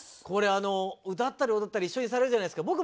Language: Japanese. これ歌ったり踊ったり一緒にされるじゃないですか。